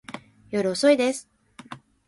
夜遅いです。